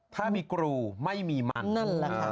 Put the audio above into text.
ถ้ามีกรูไม่มีมัน